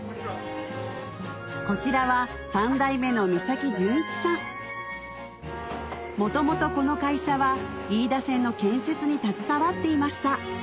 こちらは元々この会社は飯田線の建設に携わっていました